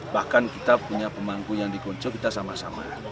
bahkan kita punya pemangku yang di konjo kita sama sama